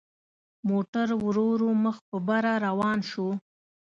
موټر ورو ورو مخ په بره روان شو.